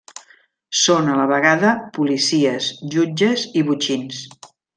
Són a la vegada policies, jutges i botxins.